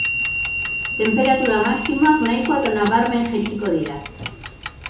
Tenperatura maximoak nahikoa edo nabarmen jaitsiko dira.